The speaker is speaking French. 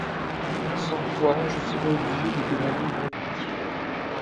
Sans quoi, je serai obligé de demander une réplique.